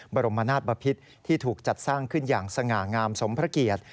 บรมนาศบพิษที่ถูกจัดสร้างขึ้นอย่างสง่างามสมพระเกียรติ